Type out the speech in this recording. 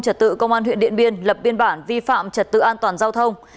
trật tự công an huyện điện biên lập biên bản vi phạm trật tự an toàn giao thông